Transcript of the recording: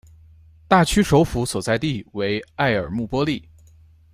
大区首府所在地为埃尔穆波利。